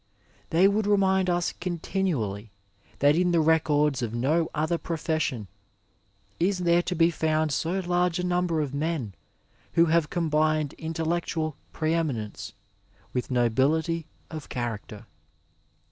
They would remind us continually that in the records of no other profession is there to be found so large a number of men who have combined intellectual pre eminence with nobility of character.